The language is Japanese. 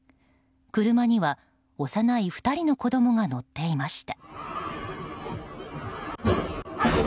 車には幼い２人の子供が乗っていました。